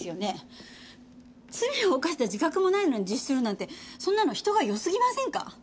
罪を犯した自覚もないのに自首するなんてそんなの人がよすぎませんか？